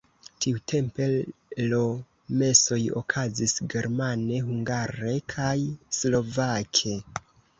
Tiutempe le mesoj okazis germane, hungare kaj slovake.